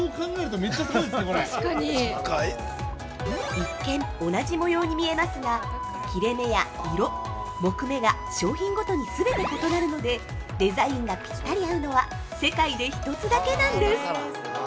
◆一見、同じ模様に見えますが切れ目や色、木目が商品ごとに全て異なるのでデザインがぴったり合うのは世界で一つだけなんです。